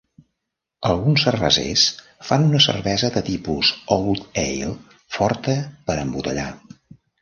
Alguns cervesers fan una cervesa de tipus old ale forta per embotellar.